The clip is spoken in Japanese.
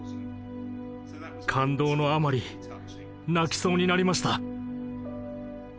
感動のあまり泣きそうになりました。